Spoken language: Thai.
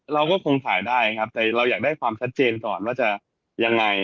เราก็คงถ่ายได้ครับแต่เราอยากได้ความชัดเจนก่อนว่าจะยังไง